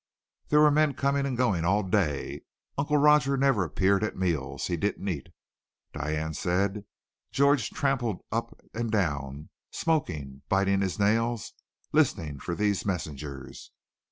"There were men coming and going all day. Uncle Roger never appeared at meals. He didn't eat, Diane said. George tramped up and down, smoking, biting his nails, listening for these messengers.